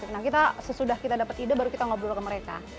nah kita sesudah kita dapat ide baru kita ngobrol ke mereka